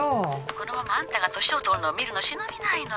☎このままあんたが年を取るのを見るの忍びないのよ。